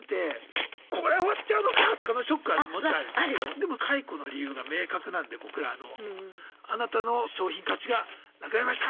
でも解雇の理由が明確なんで僕らあのあなたの商品価値がなくなりました！